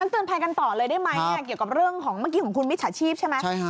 เตือนภัยกันต่อเลยได้ไหมเกี่ยวกับเรื่องของเมื่อกี้ของคุณมิจฉาชีพใช่ไหม